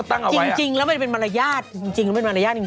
แม่งถ่ายและไปลงกันอย่างนี้